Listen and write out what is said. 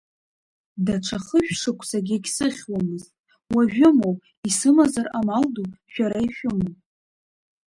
Даҽа хышә шықәсагь егьсыхьуамызт, уажәымоу, исымазар амал ду, шәара ишәымоу.